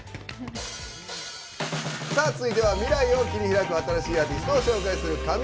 さあ続いては未来を切り開く新しいアーティストを紹介する「ＣＯＭＩＮＧＵＰ！」。